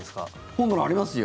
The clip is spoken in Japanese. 本棚ありますよ。